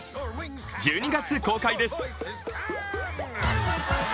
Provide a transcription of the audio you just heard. １２月公開です。